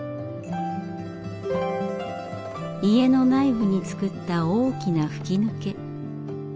家の内部に造った大きな吹き抜け。